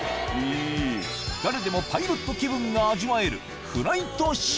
誰でもパイロット気分が味わえる